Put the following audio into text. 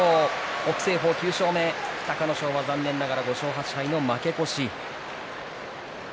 北青鵬、９勝目隆の勝は残念ながら５勝８敗の負け越し。